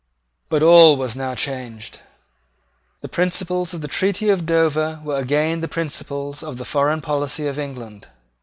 But all was now changed. The principles of the treaty of Dover were again the principles of the foreign policy of England.